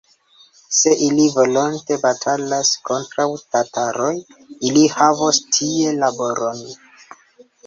Se ili volonte batalas kontraŭ tataroj, ili havos tie laboron!